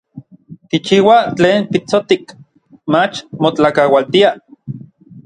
Kichiuaj tlen pitsotik, mach motlakaualtiaj.